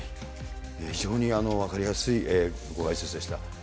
非常に分かりやすいご解説でした。